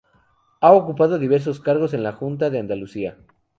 Ha ocupado diversos cargos en la Junta de Andalucía.